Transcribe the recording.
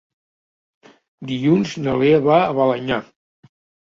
Dilluns na Lea va a Balenyà.